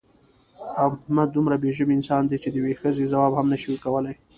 احمد دومره بې ژبې انسان دی چې د یوې ښځې ځواب هم نشي کولی.